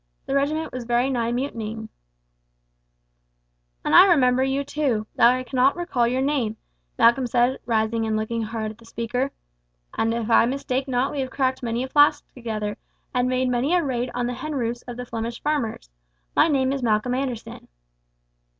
The regiment was very nigh mutinying." "And I remember you too, though I cannot recall your name," Malcolm said, rising and looking hard at the speaker; "and if I mistake not we have cracked many a flask together, and made many a raid on the hen roosts of the Flemish farmers. My name is Malcolm Anderson."